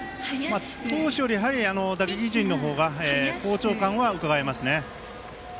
投手より、やはり打撃陣のほうが好調感はうかがえますね。